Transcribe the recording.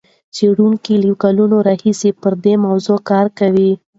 څېړونکي له کلونو راهیسې پر دې موضوع کار کوي.